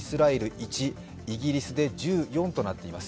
１イギリスで１４となっています。